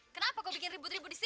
tuh dia toh